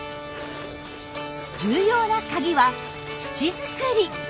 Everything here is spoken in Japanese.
重要なカギは土作り。